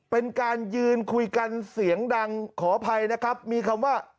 เป็นการยืนคุยกันเสียงดังขออภัยนะครับมีคำว่า